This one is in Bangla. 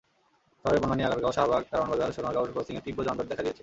শহরের বনানী, আগারগাঁও, শাহবাগ, কারওয়ানবাজার, সোনারগাঁও ক্রসিংয়ে তীব্র যানজট দেখা দিয়েছে।